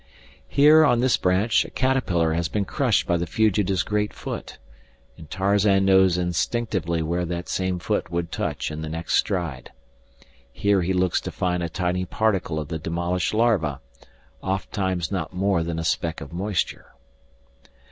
Here, on this branch, a caterpillar has been crushed by the fugitive's great foot, and Tarzan knows instinctively where that same foot would touch in the next stride. Here he looks to find a tiny particle of the demolished larva, ofttimes not more than a speck of moisture.